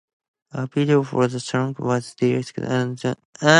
A video for the song was directed by Sanji.